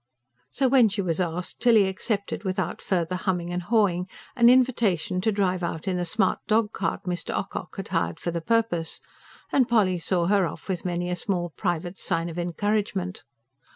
So, when she was asked, Tilly accepted without further humming and hawing an invitation to drive out in the smart dog cart Mr. Ocock had hired for the purpose; and Polly saw her off with many a small private sign of encouragement.